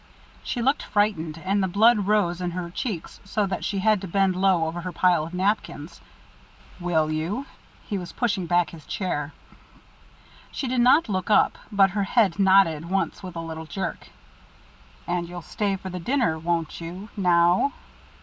She looked frightened, and the blood rose in her cheeks so that she had to bend low over her pile of napkins. "Will you?" He was pushing back his chair. She did not look up, but her head nodded once with a little jerk. "And you'll stay for the dinner, won't you now?"